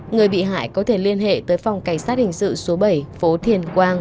người bị hại có thể liên hệ tới phòng cảnh sát hình sự số bảy phố thiền quang